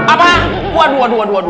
apa wah dua dua dua